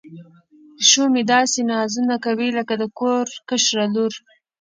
پیشو مې داسې نازونه کوي لکه د کور کشره لور.